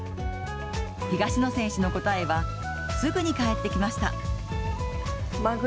東野選手の答えはすぐに返ってきました。